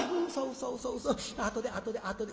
「うそうそあとであとであとで。